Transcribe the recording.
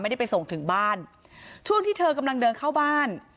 ได้ไปส่งถึงบ้านช่วงที่เธอกำลังเดินเข้าบ้าน